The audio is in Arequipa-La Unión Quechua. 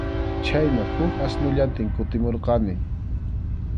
Chhayna huk asnullantin kutimurqani.